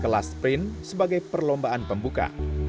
kelas sprint sebagai perlombaan pembuka